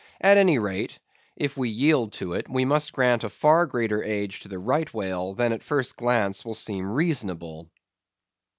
At any rate, if we yield to it, we must grant a far greater age to the Right Whale than at first glance will seem reasonable.